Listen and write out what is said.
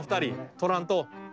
撮らんと。